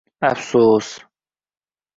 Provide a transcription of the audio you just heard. Afsus